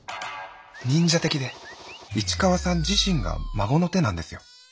「忍者的で市川さん自身が孫の手なんですよ」。